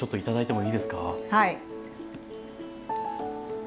はい。